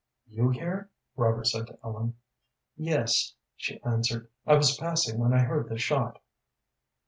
"You here?" Robert said to Ellen. "Yes," she answered, "I was passing when I heard the shot."